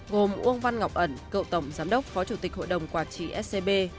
gồm uông văn ngọc ẩn cựu tổng giám đốc phó chủ tịch hội đồng quản trị scb